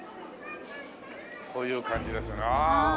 こういう感じですね。